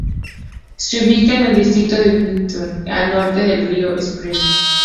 Se ubica en el distrito de Mitte, al norte del río Spree.